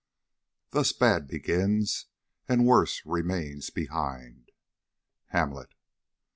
Thus bad begins and worse remains behind. HAMLET.